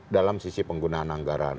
dalam sisi penggunaan anggaran